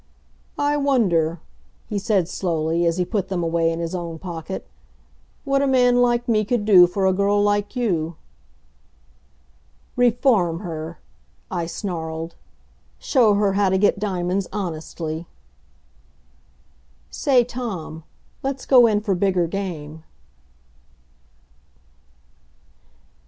"I wonder," he said slowly, as he put them away in his own pocket, "what a man like me could do for a girl like you?" "Reform her!" I snarled. "Show her how to get diamonds honestly." Say, Tom, let's go in for bigger game.